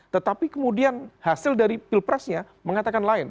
tetapi kemudian hasil dari pilpresnya mengatakan lain